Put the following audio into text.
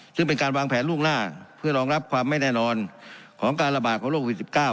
ซึ่งเป็นการวางแผนล่วงหน้าเพื่อรองรับความไม่แน่นอนของการระบาดของโควิด๑๙